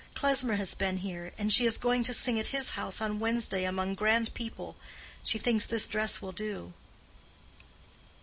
Klesmer has been here, and she is going to sing at his house on Wednesday among grand people. She thinks this dress will do."